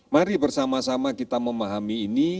mari bersama sama kita memahami ini